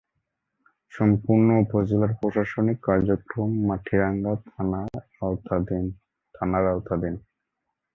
সম্পূর্ণ উপজেলার প্রশাসনিক কার্যক্রম মাটিরাঙ্গা থানার আওতাধীন।